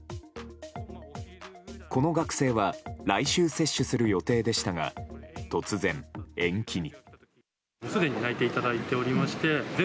この学生は来週、接種する予定でしたが突然、延期に。